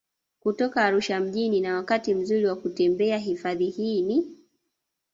Kutoka Arusha mjini na wakati mzuri wa kutembelea hifadhi hii ni